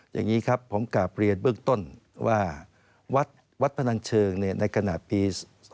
อย่างนี้ครับผมกลับเรียนเบื้องต้นว่าวัดพนันเชิงในขณะปี๒๕๖